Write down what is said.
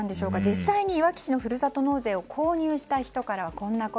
実際にいわき市のふるさと納税を購入した人からはこんな声。